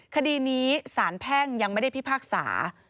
คดีนี้สารแพ่งยังไม่ได้พิพากษา